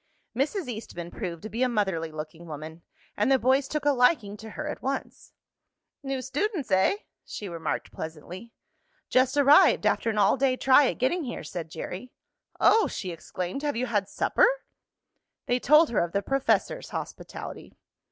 Mrs. Eastman proved to be a motherly looking woman, and the boys took a liking to her at once. "New students, eh?" she remarked pleasantly. "Just arrived, after an all day try at getting here," said Jerry. "Oh!" she exclaimed. "Have you had supper?" They told her of the professor's hospitality.